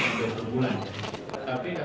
saya belum cek berapa bulan